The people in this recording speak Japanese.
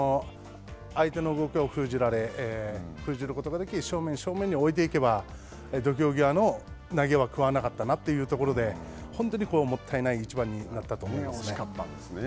相手の動きを封じられ封じることができ、正面、正面に置いていけば、土俵際の投げは食わなかったなというところで、本当にもったいない一番になったと思いますね。